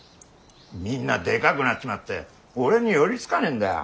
みんなでかくなっちまって俺に寄り付かねえんだよ。